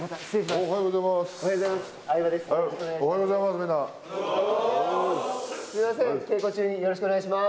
おはようございます。